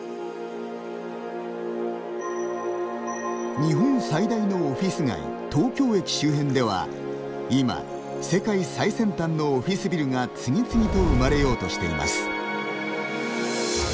日本最大のオフィス街東京駅周辺では今、世界最先端のオフィスビルが次々と生まれようとしています。